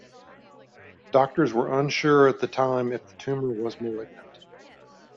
Doctors were unsure at the time if the tumor was malignant.